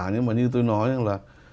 nhưng mà như tôi nói là